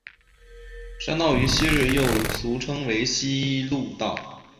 山道于昔日又俗称为希路道。